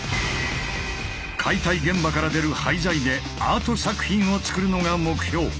解体現場から出る廃材でアート作品を作るのが目標。